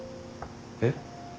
えっ？